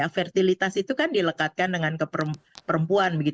fertilitas itu kan dilekatkan dengan ke perempuan